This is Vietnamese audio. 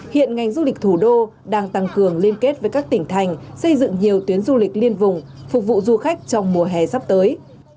hiện ngành du lịch thủ đô đang tăng cường liên kết với các tỉnh thành xây dựng nhiều tuyến du lịch liên vùng phục vụ du khách trong mùa hè sắp tới